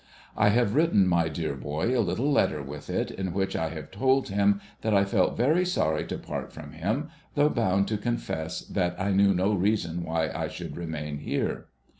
I have written my dear boy a little letter with it, in which I have told him that I felt very sorry to part from him, though bound to confess that I knew no reason why I should remain here.